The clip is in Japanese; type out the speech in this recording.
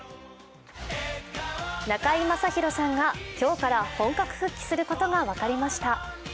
中居正広さんが今日から本格復帰することが分かりました。